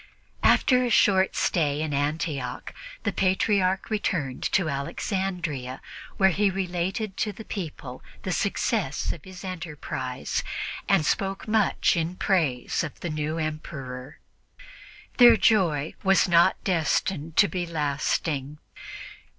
After a short stay in Antioch, the Patriarch returned to Alexandria, where he related to the people the success of his enterprise and spoke much in praise of the new Emperor. Their joy was not destined to be lasting.